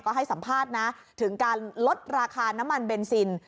ก็ให้สัมภาษณ์นะถึงการลดราคาน้ำมันเบนซิน